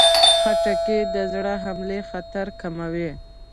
خټکی د زړه حملې خطر کموي.